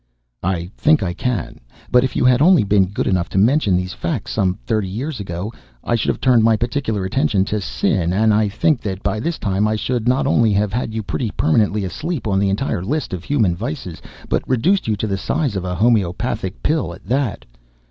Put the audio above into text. "I think I can. But if you had only been good enough to mention these facts some thirty years ago, I should have turned my particular attention to sin, and I think that by this time I should not only have had you pretty permanently asleep on the entire list of human vices, but reduced to the size of a homeopathic pill, at that.